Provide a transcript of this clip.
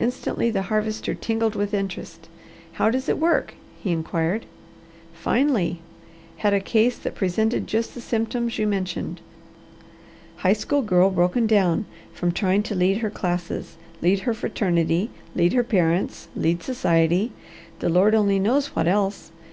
Instantly the Harvester tingled with interest. "How does it work?" he inquired. "Finely! Had a case that presented just the symptoms you mentioned. High school girl broken down from trying to lead her classes, lead her fraternity, lead her parents, lead society the Lord only knows what else.